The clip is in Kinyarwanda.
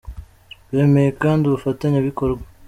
Bemeye kandi ubufatanyabikorwa.